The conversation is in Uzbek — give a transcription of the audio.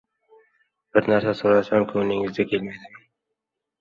Bir narsa so‘rasam, ko‘nglingizga kelmaydimi?